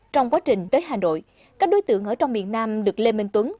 trong quá trình tới hà nội các đối tượng ở trong miền nam được lê minh tuấn